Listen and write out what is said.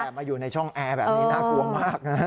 แต่มาอยู่ในช่องแอร์แบบนี้น่ากลัวมากนะ